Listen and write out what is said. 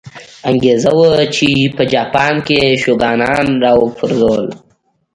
انګېزه وه چې په جاپان کې یې شوګانان را وپرځول.